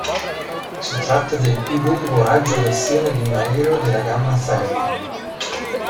Si tratta del più lungo raggio d'azione di un aereo della gamma Falcon.